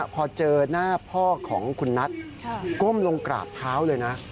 พอเจอหน้าพ่อของคุณนัทก้มลงกราบเท้าเลยนะ